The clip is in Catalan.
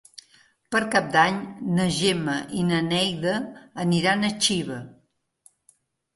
Per Cap d'Any na Gemma i na Neida aniran a Xiva.